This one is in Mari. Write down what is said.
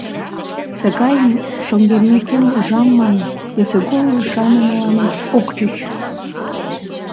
Тыгайым шоҥгеммекем ужам манын, эсогыл ӱшанымылат ок чуч!